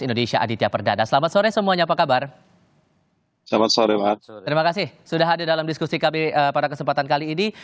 oke pada kesempatan kali ini